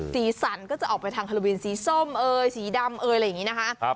สีสันก็จะออกไปทางฮาโลวีนสีส้มเอ่ยสีดำเอยอะไรอย่างนี้นะคะ